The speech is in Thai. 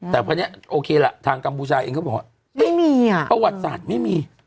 แต่วันนี้โอเคล่ะทางกัมพูชาเองเขาบอกว่าไม่มีอ่ะประวัติศาสตร์ไม่มี